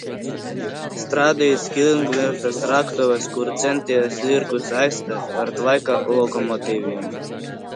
Strādājis Kilingvērtas raktuvēs, kur centies zirgus aizstāt ar tvaika lokomotīvēm.